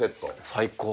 最高。